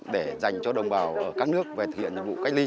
để dành cho đồng bào ở các nước về thực hiện nhiệm vụ cách ly